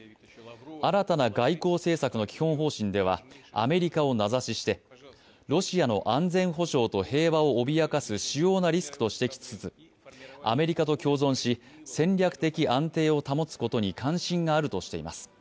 新たな外交政策の基本方針ではアメリカを名指ししてロシアの安全保障と平和を脅かす主要なリスクと指摘しつつアメリカと共存し戦略的安定を保つことに関心があるとしています。